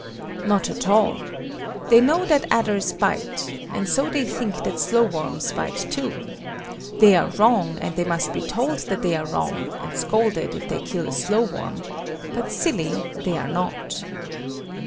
Not at all. They know that adders bite, and so they think that slowworms bite too. They are wrong; and they must be told that they are wrong, and scolded if they kill a slowworm. But silly they are not.